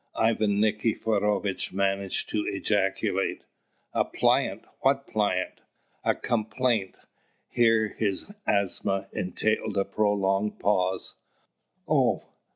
Ivan Nikiforovitch managed to ejaculate. "A plaint? What plaint?" "A complaint..." here his asthma entailed a prolonged pause "Oh!